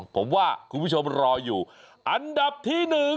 ผมว่าคุณผู้ชมรออยู่อันดับที่๑